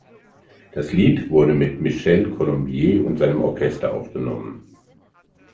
Das Lied wurde mit Michel Colombier und seinem Orchester aufgenommen.